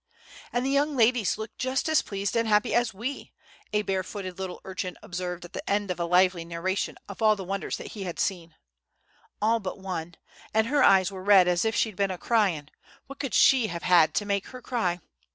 "And the young ladies looked just as pleased and happy as we," a bare footed little urchin observed at the end of a lively narration of all the wonders that he had seen; "all but one, and her eyes were red as if she'd been a crying,—what could she have had to make her cry?